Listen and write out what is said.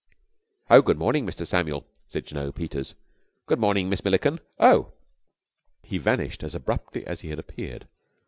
"Good morning, Mr. Samuel," said Jno. Peters. "Good morning, Miss Milliken. Oh!" He vanished as abruptly as he had appeared.